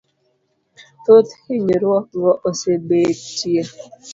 Thoth hinyruokgo osebetie